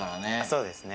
そうですね。